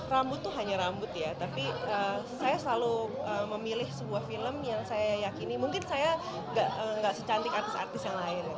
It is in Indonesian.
rambut itu hanya rambut ya tapi saya selalu memilih sebuah film yang saya yakini mungkin saya nggak secantik artis artis yang lain